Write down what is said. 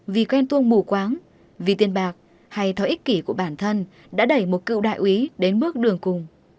vì quen tuông mù quáng vì tiền bạc hay thói ích kỷ của bản thân đã đẩy một cựu đại úy đến bước đường cùng